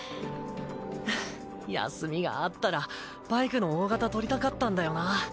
はぁ休みがあったらバイクの大型取りたかったんだよな。